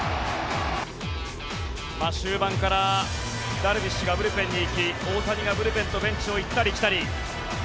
終盤からダルビッシュがブルペンに行き大谷がブルペンとベンチを行ったり来たり。